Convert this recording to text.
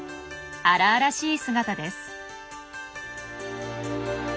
荒々しい姿です。